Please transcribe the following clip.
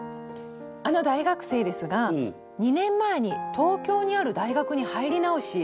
あの大学生ですが２年前に東京にある大学に入り直し